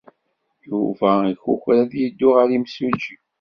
Yuba ikukra ad yeddu ɣer yimsujji.